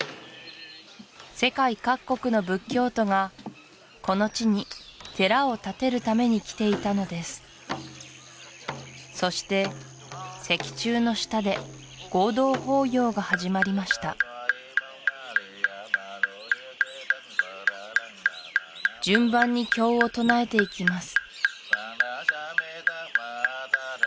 世界各国の仏教徒がこの地に寺を建てるために来ていたのですそして石柱の下で合同法要が始まりました順番に経を唱えていきます